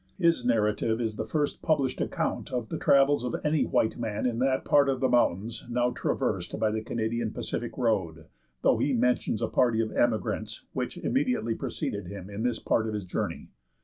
His narrative is the first published account of the travels of any white man in that part of the mountains now traversed by the Canadian Pacific Road, though he mentions a party of emigrants which immediately preceded him in this part of his journey.